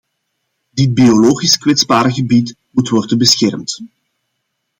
Dit biologisch kwetsbare gebied moet worden beschermd.